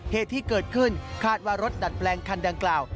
เหตุที่เกิดขึ้นคาดว่ารถดัดแปลงคันดังกล่าว